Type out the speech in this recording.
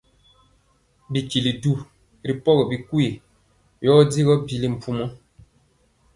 Bitili du ri pɔgi bikwii yɔ digɔ bile mpumɔ.